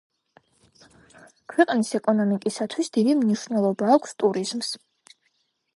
ქვეყნის ეკონომიკისათვის დიდი მნიშვნელობა აქვს ტურიზმს.